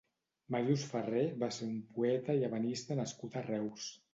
Màrius Ferré va ser un poeta i ebenista nascut a Reus.